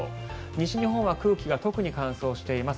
西日本は空気が特に乾燥しています。